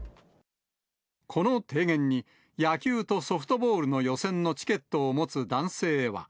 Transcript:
この提言に、野球とソフトボールの予選のチケットを持つ男性は。